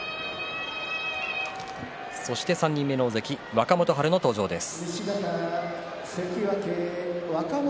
そして、３人目の大関若元春の登場です。